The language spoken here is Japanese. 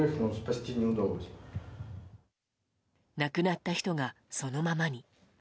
亡くなった人がそのままに。